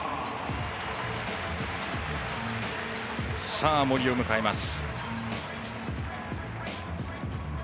さあ、森を迎えます。